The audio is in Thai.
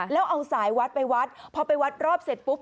แล้วเอาสายวัดไปวัดพอไปวัดรอบเสร็จปุ๊บ